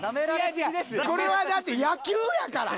これはだって野球やから。